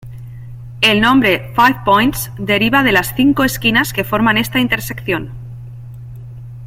El nombre "Five Points" deriva de las cinco esquinas que forman esta intersección.